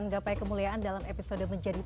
gapai kemuliaan akan kembali